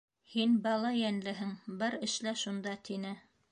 «Һин бала йәнлеһең, бар, эшлә шунда», - тине.